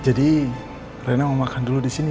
jadi rena mau makan dulu disini ya